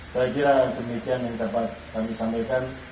saya kira demikian yang dapat kami sampaikan